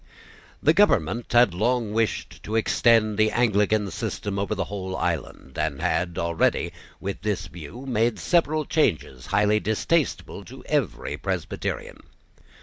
The government had long wished to extend the Anglican system over the whole island, and had already, with this view, made several changes highly distasteful to every Presbyterian.